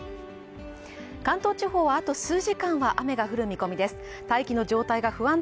関東地方はあと数時間は雨が降る見込みです。